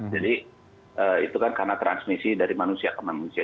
jadi itu kan karena transmisi dari manusia ke manusia